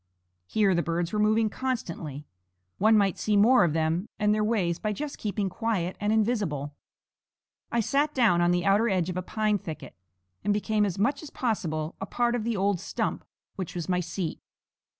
Here the birds were moving constantly; one might see more of them and their ways by just keeping quiet and invisible. I sat down on the outer edge of a pine thicket, and became as much as possible a part of the old stump which was my seat.